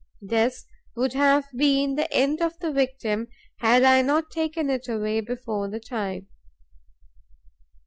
This would have been the end of the victim, had I not taken it away before the time.